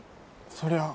そりゃあ。